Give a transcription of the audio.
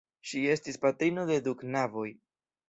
Ŝi estis patrino de du knaboj.